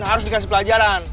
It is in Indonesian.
harus dikasih pelajaran